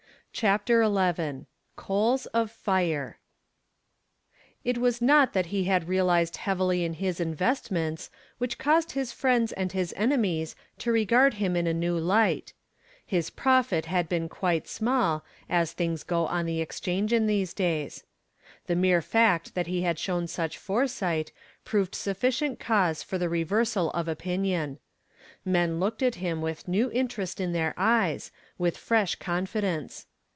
CHAPTER XI COALS OF FIRE It was not that he had realized heavily in his investments which caused his friends and his enemies to regard him in a new light; his profit had been quite small, as things go on the Exchange in these days. The mere fact that he had shown such foresight proved sufficient cause for the reversal of opinion. Men looked at him with new interest in their eyes, with fresh confidence.